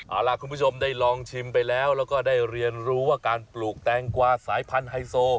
เอาล่ะคุณผู้ชมได้ลองชิมไปแล้วแล้วก็ได้เรียนรู้ว่าการปลูกแตงกวาสายพันธุ์ไฮโซ